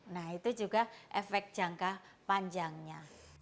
nah itu juga efek jangka panjangnya